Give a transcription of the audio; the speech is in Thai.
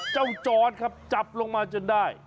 เจ้าจอร์ทครับจับลงมาจนได้